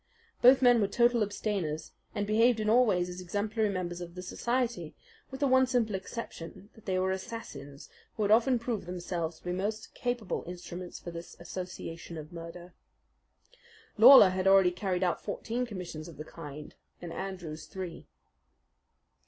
Both men were total abstainers, and behaved in all ways as exemplary members of the society, with the one simple exception that they were assassins who had often proved themselves to be most capable instruments for this association of murder. Lawler had already carried out fourteen commissions of the kind, and Andrews three.